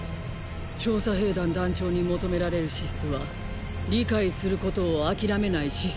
調査兵団団長に求められる資質は理解することをあきらめない姿勢にある。